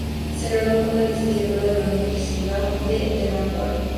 Se graduó con una licenciatura de la Universidad de Delaware.